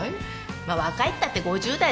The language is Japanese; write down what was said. まっ若いったって５０代だがな。